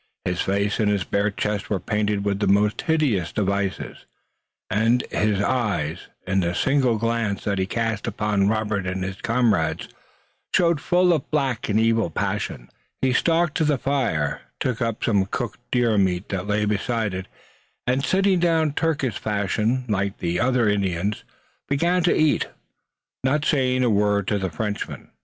His face and his bare chest were painted with the most hideous devices, and his eyes, in the single glance that he cast upon Robert and his comrades, showed full of black and evil passions. Then, as if they were no longer present, he stalked to the fire, took up some cooked deer meat that lay beside it, and, sitting down Turkish fashion like the other Indians, began to eat, not saying a word to the Frenchmen.